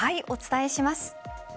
お伝えします。